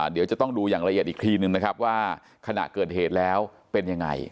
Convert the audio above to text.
เดี๋ยวจะต้องดูอย่างละเอียดอีกทีนึงนะครับว่าขณะเกิดเหตุแล้วเป็นยังไง